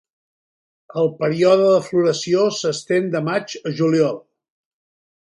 El període de floració s'estén de maig a juliol.